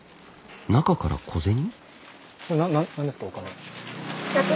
中から小銭？